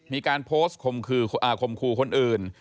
มีการโพสต์คมคู่คนอื่น